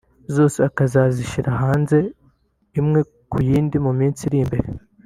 zose akazazishyira hanze imwe ku yindi mu minsi iri imbere